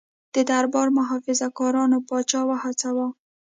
د دربار محافظه کارانو پاچا وهڅاوه.